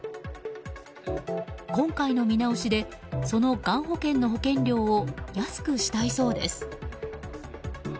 今回の見直しでそのがん保険の保険料を安くしたいそうです。